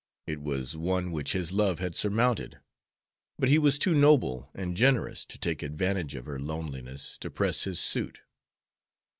It was one which his love had surmounted. But he was too noble and generous to take advantage of her loneliness to press his suit.